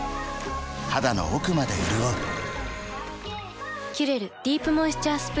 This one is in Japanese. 肌の奥まで潤う「キュレルディープモイスチャースプレー」